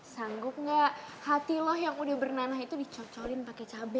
sanggup gak hati lo yang udah bernanah itu dicocorin pake cabe